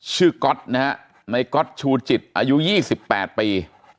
ชื่อก๊อตนะฮะนายก๊อตชูจิตอายุ๒๘ปี